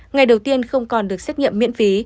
ngày đầu tiên không còn được xét nghiệm miễn phí